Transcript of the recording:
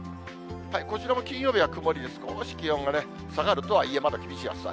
こちらも金曜日は曇りで、少し気温が下がるとはいえ、まだ厳しい暑さ。